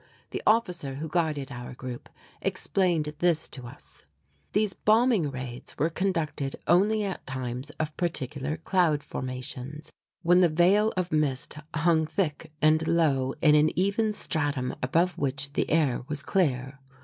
The officer who guided our group explained this to us: these bombing raids were conducted only at times of particular cloud formations, when the veil of mist hung thick and low in an even stratum above which the air was clear.